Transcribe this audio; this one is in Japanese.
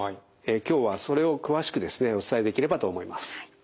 今日はそれを詳しくですねお伝えできればと思います。